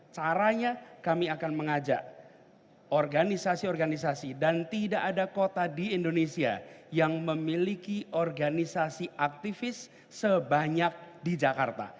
caranya kami akan mengajak organisasi organisasi dan tidak ada kota di indonesia yang memiliki organisasi aktivis sebanyak di jakarta